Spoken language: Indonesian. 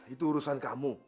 itu urusan kamu